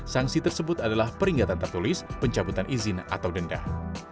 sangsi tersebut adalah peringatan tertulis pencabutan izin atau dendah